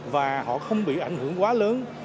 và họ không bị ảnh hưởng quá lớn